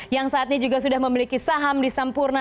yang saat ini juga sudah memiliki saham di sampurna